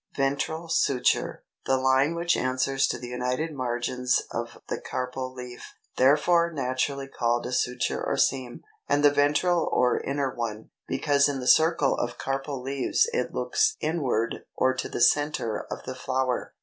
VENTRAL SUTURE, the line which answers to the united margins of the carpel leaf, therefore naturally called a suture or seam, and the ventral or inner one, because in the circle of carpel leaves it looks inward or to the centre of the flower.